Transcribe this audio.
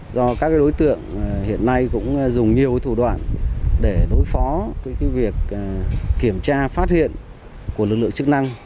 do các đối tượng hiện nay cũng dùng nhiều thủ đoạn để đối phó với việc kiểm tra phát hiện của lực lượng chức năng